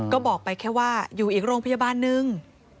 ก็บอกไปแค่ว่าอยู่อีกโรงพยาบาลนึง